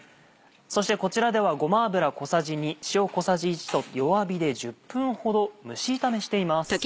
そしてこちらではごま油小さじ２塩小さじ１と弱火で１０分ほど蒸し炒めしています。